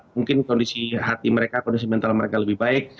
mungkin kondisi hati mereka kondisi mental mereka lebih baik